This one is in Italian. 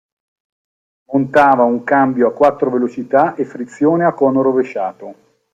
Montava un cambio a quattro velocità e frizione a cono rovesciato.